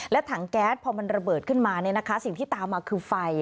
และถังแก๊สพอมันระเบิดขึ้นมาสิ่งที่ตามมาคือไฟ